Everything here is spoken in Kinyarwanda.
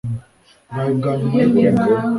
bwawe bwa nyuma yo kwiga